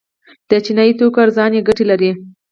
د چینایي توکو ارزاني ګټه لري؟